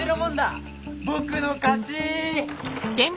僕の勝ち！